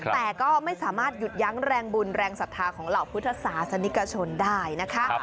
แต่ก็ไม่สามารถหยุดยั้งแรงบุญแรงศรัทธาของเหล่าพุทธศาสนิกชนได้นะคะ